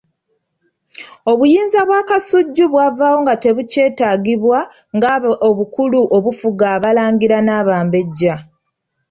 Obuyinza bwa Kasujju bwavaawo nga tebukyetaagibwa nga obukulu obufuga abalangira n'abambejja.